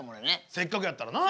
せっかくやったらな。